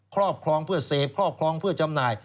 ครอบครองเพื่อเสพครอบครองเพื่อจำหน่าย